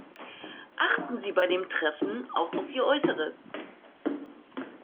Achten Sie bei dem Treffen auch auf Ihr Äußeres.